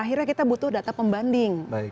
akhirnya kita butuh data pembanding